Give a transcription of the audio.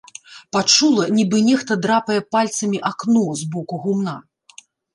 Пачула нібы нехта драпае пальцамі акно з боку гумна.